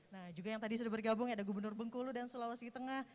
nah juga yang tadi sudah bergabung ada gubernur bengkulu dan sulawesi tengah